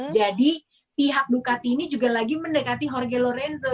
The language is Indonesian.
jadi pihak ducati ini juga lagi mendekati jorge lorenzo